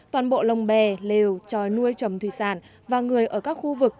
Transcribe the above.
toàn bộ lồng bè lều tròi nuôi trồng thủy sản và người ở các khu vực